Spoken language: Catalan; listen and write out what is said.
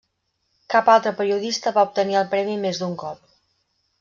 Cap altre periodista va obtenir el premi més d'un cop.